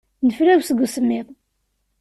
Nefrawes seg usemmiḍ.